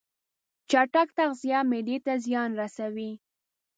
چټک تغذیه معدې ته زیان رسوي.